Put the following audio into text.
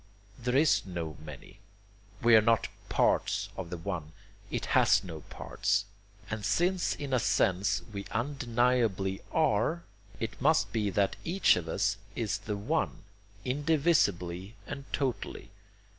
There is no many. We are not parts of the One; It has no parts; and since in a sense we undeniably ARE, it must be that each of us is the One, indivisibly and totally.